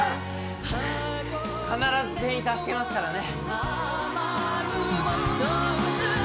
必ず全員助けますからね。